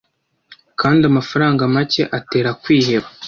Kandi amafaranga make atera kwiheba